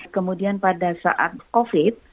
kemudian pada saat covid